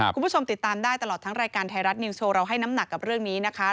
คุณผู้ชมติดตามได้ตลอดทั้งรายการไทยรัฐนิวโชว์เราให้น้ำหนักกับเรื่องนี้นะคะ